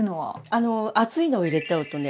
あの熱いのを入れちゃうとね